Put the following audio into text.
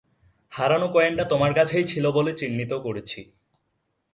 হারানো কয়েনটা তোমার কাছেই ছিল বলে চিহ্নিত করেছি।